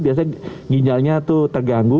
biasanya ginjalnya tuh terganggu